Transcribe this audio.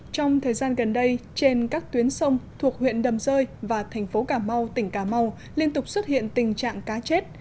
trong thời gian gần đây trên các tuyến sông thuộc huyện đầm rơi và thành phố cà mau tỉnh cà mau liên tục xuất hiện tình trạng cá chết